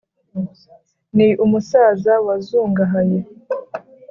Ni umusaza wazungahaye!